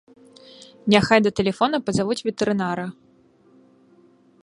Няхай да тэлефона пазавуць ветэрынара.